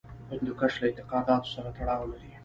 هندوکش له اعتقاداتو سره تړاو لري.